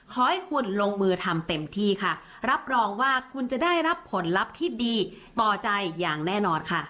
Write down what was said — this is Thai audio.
ขอให้คุณลงมือทำเต็มที่ค่ะรับรองว่าคุณจะได้รับผลลัพธ์ที่ดีต่อใจอย่างแน่นอนค่ะ